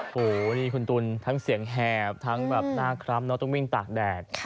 โดยคุณตุลทั้งเสียงแหบทั้งหน้าคล้ำต้องวิ่งตากแดด